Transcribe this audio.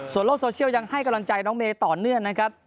โลกโซเชียลยังให้กำลังใจน้องเมย์ต่อเนื่องนะครับ